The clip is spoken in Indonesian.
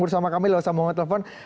bersama kami lalu saya mau nge telepon